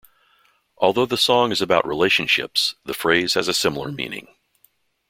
Although the song is about relationships, the phrase has a similar meaning.